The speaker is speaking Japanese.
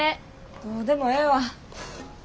どうでもええわ。